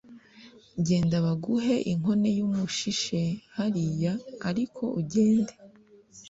genda baguhe inkone y'umushishe hariya ariko ugende